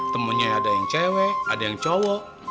temennya ada yang cewek ada yang cowok